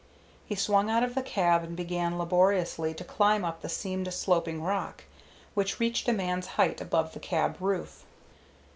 He swung out of the cab and began laboriously to climb up the seamed sloping rock, which reached a man's height above the cab roof.